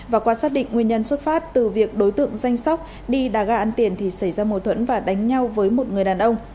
và qua xác định nguyên nhân xuất phát từ việc đối tượng danh sóc đi đà ga ăn tiền thì xảy ra mối thuẫn và đánh nhau với một người đàn ông